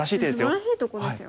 すばらしいとこですよね。